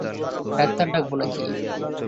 Doctor ডাকবো নাকি?